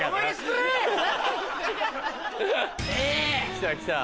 来た来た。